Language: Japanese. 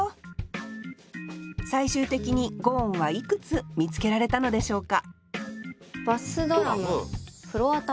最終的に五音はいくつ見つけられたのでしょうか？